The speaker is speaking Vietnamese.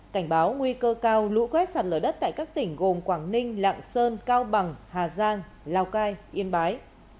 cảnh báo nguy cơ cao lũ quét sạt lở đất tại các tỉnh gồm quảng ninh lạng sơn cao bằng hà giang lào cai yên bái